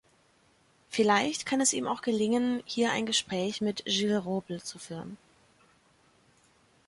Vielleicht kann es ihm auch gelingen, hier ein Gespräch mit Gil-Robles zu führen.